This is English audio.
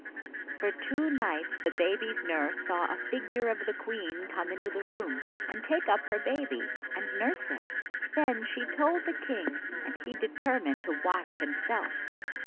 For two nights the baby's nurse saw a figure of the queen come into the room and take up her baby and nurse it. Then she told the king, and he determined to watch himself.